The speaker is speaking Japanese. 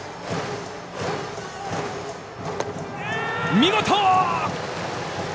見事！